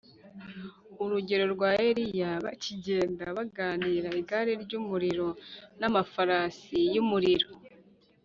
urugero rwa eliya: “bakigenda baganira igare ry’umuriro n’amafarasi y’umuriro